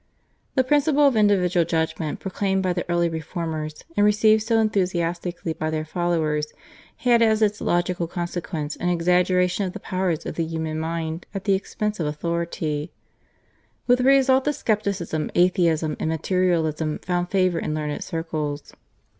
The principal of individual judgment, proclaimed by the early Reformers and received so enthusiastically by their followers, had as its logical consequence an exaggeration of the powers of the human mind at the expense of authority, with the result that scepticism, atheism, and materialism, found favour in learned circles.